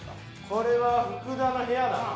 これは福田の部屋だな。